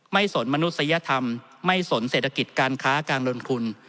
สนมนุษยธรรมไม่สนเศรษฐกิจการค้าการลงทุน